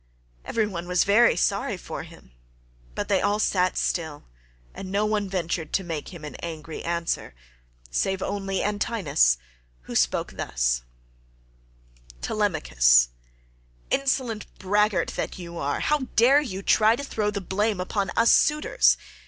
Every one was very sorry for him, but they all sat still and no one ventured to make him an angry answer, save only Antinous, who spoke thus: "Telemachus, insolent braggart that you are, how dare you try to throw the blame upon us suitors?